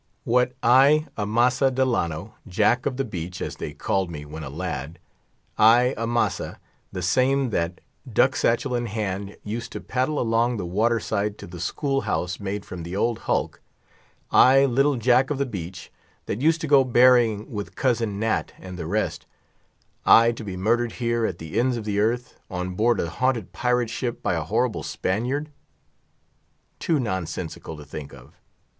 "What, I, Amasa Delano—Jack of the Beach, as they called me when a lad—I, Amasa; the same that, duck satchel in hand, used to paddle along the water side to the school house made from the old hulk—I, little Jack of the Beach, that used to go berrying with cousin Nat and the rest; I to be murdered here at the ends of the earth, on board a haunted pirate ship by a horrible Spaniard? Too nonsensical to think of!